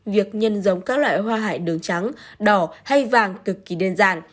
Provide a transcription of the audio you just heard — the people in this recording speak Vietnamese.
việc nhân giống các loại hoa hải đường trắng đỏ hay vàng cực kỳ đơn giản